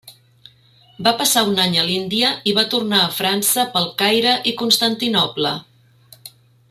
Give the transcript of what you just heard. Va passar un any a l'Índia i va tornar a França pel Caire i Constantinoble.